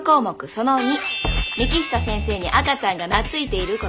その②幹久先生に赤ちゃんが懐いている事。